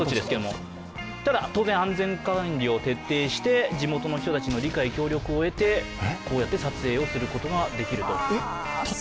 ただ当然、安全管理を徹底して地元の人たちの理解・協力を得てこうやって撮影をすることができると。